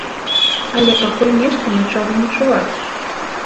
Але пакуль нешта нічога не чуваць.